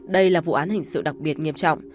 đây là vụ án hình sự đặc biệt nghiêm trọng